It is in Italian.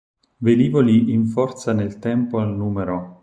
Velivoli in forza nel tempo al No.